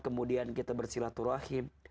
kemudian kita bersilaturahim